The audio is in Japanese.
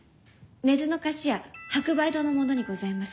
根津の菓子屋白梅堂の者にございます。